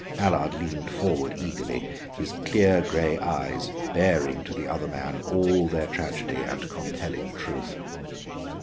Allard leaned forward eagerly, his clear gray eyes baring to the other man all their tragedy and compelling truth.